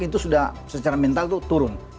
itu sudah secara mental itu turun